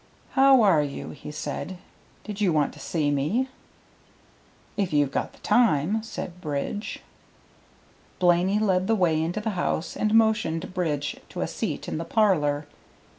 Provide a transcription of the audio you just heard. "How are you?" he said. "Did you want to see me?" "If you've got the time," said Bridge. Blaney led the way into the house, and motioned Bridge to a seat in the parlor.